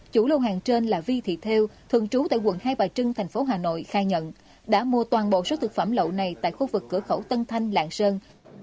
chủ lô hàng trên là vi thị theo thường trú tại quận hai bà trưng thành phố hà nội khai nhận đã mua toàn bộ số thực phẩm lậu này tại khu vực cửa khẩu tân thanh lạng sơn